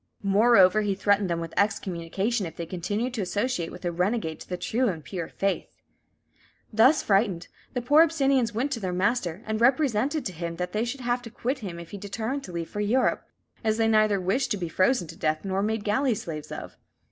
Moreover, he threatened them with excommunication if they continued to associate with such a renegade to the true and pure faith. Thus frightened, the poor Abyssinians went to their master, and represented to him that they should have to quit him if he determined to leave for Europe, as they neither wished to be frozen to death nor made galley slaves of.